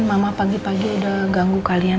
mama pagi pagi udah ganggu kalian